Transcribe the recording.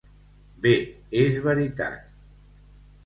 Bé és veritat.